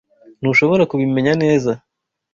Ntushobora kubimenya neza.